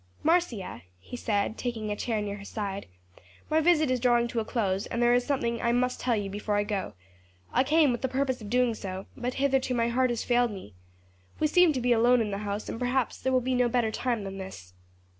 "Marcia," he said, taking a chair near her side, "my visit is drawing to a close and there is something I must tell you before I go; I came with the purpose of doing so, but hitherto my heart has failed me. We seem to be alone in the house and perhaps there will be no better time than this."